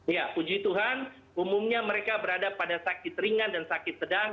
ya puji tuhan umumnya mereka berada pada sakit ringan dan sakit sedang